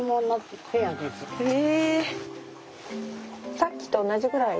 さっきと同じぐらい？